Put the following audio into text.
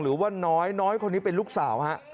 หรือว่าน้อยน้อยคนนี้เป็นลูกสาวฮะ